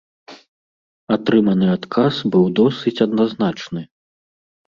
Атрыманы адказ быў досыць адназначны.